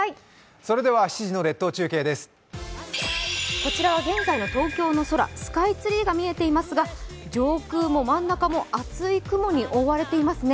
こちらは現在の東京の空、スカイツリーが見えていますが上空も真ん中も厚い雲に覆われていますね。